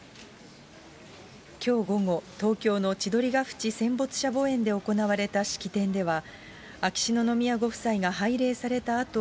きょう午後、東京の千鳥ヶ淵戦没者墓苑で行われた式典では、秋篠宮ご夫妻が拝礼されたあと、